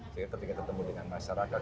jadi ketika bertemu dengan masyarakat